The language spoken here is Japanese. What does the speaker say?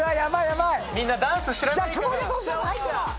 みんなダンス知らないから。